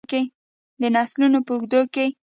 د نسلونو په اوږدو کې.